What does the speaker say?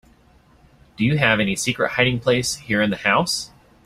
Do you have any secret hiding place here in the house?